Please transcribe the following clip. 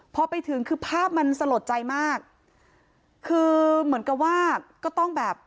พอไปถึงคือภาพมันสลดใจมากคือเหมือนกับว่าก็ต้องแบบ